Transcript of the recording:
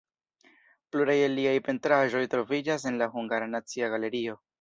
Pluraj el liaj pentraĵoj troviĝas en la Hungara Nacia Galerio.